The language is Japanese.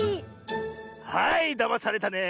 はいだまされたね。